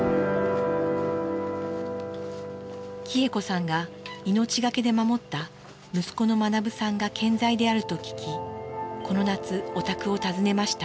喜恵子さんが命懸けで守った息子の学さんが健在であると聞きこの夏お宅を訪ねました。